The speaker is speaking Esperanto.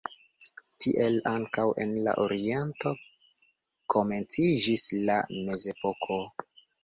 Tiel ankaŭ en la oriento komenciĝis la mezepoko.